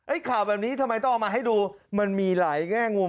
ข่าวแบบนี้ทำไมต้องเอามาให้ดูมันมีหลายแง่มุม